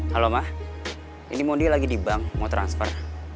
halo ma ini modi lagi di bank mau transfer